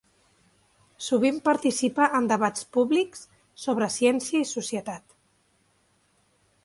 Sovint participa en debats públics sobre ciència i societat.